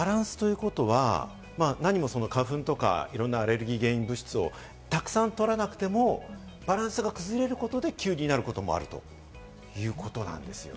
バランスということは花粉とかいろんなアレルギー原因物質をたくさん取らなくてもバランスが崩れることで急になることもあるということなんですよね。